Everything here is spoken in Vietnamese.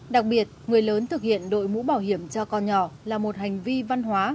đặc biệt người lớn thực hiện đội mũ bảo hiểm cho con nhỏ là một hành vi văn hóa